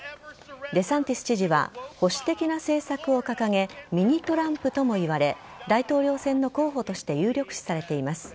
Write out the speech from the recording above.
デサンティス知事は保守的な政策を掲げミニ・トランプとも言われ大統領選の候補として有力視されています。